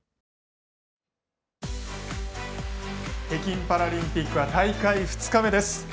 北京パラリンピックは大会２日目です。